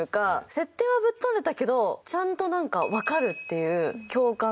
設定はぶっ飛んでたけどちゃんと「わかる！」っていう共感がありました。